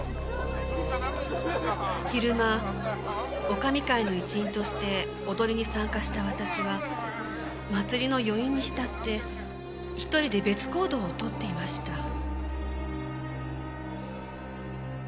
昼間女将会の一員として踊りに参加した私は祭りの余韻に浸って１人で別行動を取っていました。